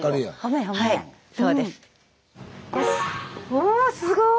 おすごい！